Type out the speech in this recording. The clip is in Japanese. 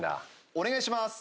お願いしまーす。